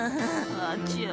あちゃ。